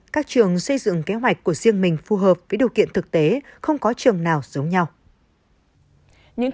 các trường xây dựng kế hoạch của riêng mình phù hợp với điều kiện thực tế không có trường nào giống nhau